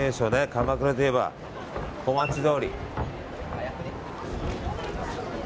鎌倉といえば小町通り。